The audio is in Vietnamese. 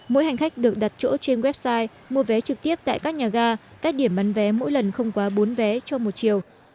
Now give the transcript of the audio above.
mỗi hành khách được đặt chỗ trên website mua vé trực tiếp tại các nhà ga các điểm bán vé mỗi lần không quá bốn vé cho một chiều